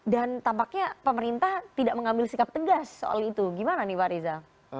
dan tampaknya pemerintah tidak mengambil sikap tegas soal itu gimana nih pak riza